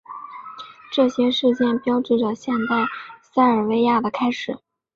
这些事件标志着现代塞尔维亚的开始。